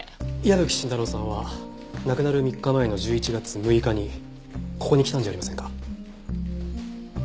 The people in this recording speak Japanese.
矢吹伸太郎さんは亡くなる３日前の１１月６日にここに来たんじゃありませんか？